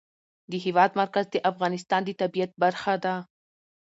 د هېواد مرکز د افغانستان د طبیعت برخه ده.